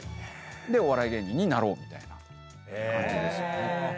でお笑い芸人になろうみたいな感じです。